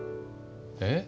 えっ？